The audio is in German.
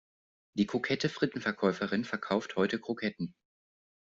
Die kokette Frittenverkäuferin verkauft heute Kroketten.